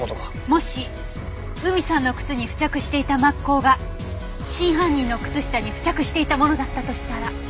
もし海さんの靴に付着していた抹香が真犯人の靴下に付着していたものだったとしたら。